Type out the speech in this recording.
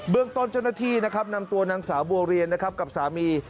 เรื่องต้นเจ้าหน้าที่นะครับนำตัวนางสาวบัวเรียนนะครับกับสามี